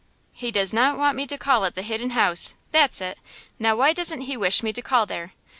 "He does not want me to call at the Hidden House! That's it! Now why doesn't he wish me to call there?